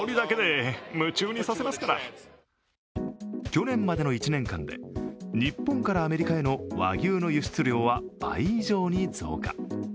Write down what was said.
去年までの１年間で日本からアメリカへの和牛の輸出量は倍以上に増加。